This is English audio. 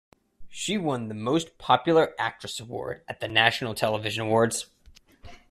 She won the "Most Popular Actress" award at the National Television Awards.